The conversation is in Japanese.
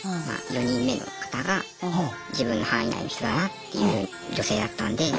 ４人目の方が自分の範囲内の人だなっていう女性だったんで。